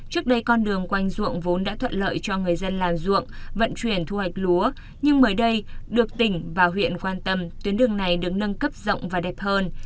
trước đây con đường quanh ruộng vốn đã thuận lợi cho người dân làm ruộng vận chuyển thu hoạch lúa nhưng mới đây được tỉnh và huyện quan tâm tuyến đường này được nâng cấp rộng và đẹp hơn